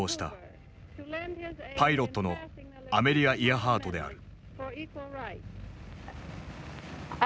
パイロットのアメリア・イアハートである。